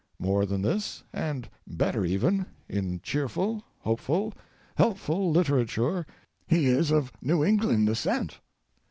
More than this, and better even, in cheerful, hopeful, helpful literature he is of New England ascent.